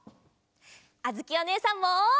あづきおねえさんも！